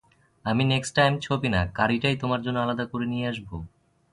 আমি next time ছবি না, কারিটাই তোমার জন্য আলাদা করে নিয়ে আসব।